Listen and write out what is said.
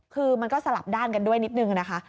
คือมันก็สลับด้านกันด้วยนิดนึงนะคะ